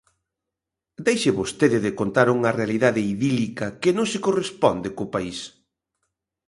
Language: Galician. Deixe vostede de contar unha realidade idílica que non se corresponde co país.